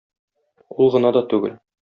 Ул гына да түгел.